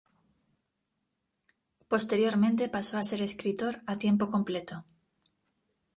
Posteriormente, pasó a ser escritor a tiempo completo.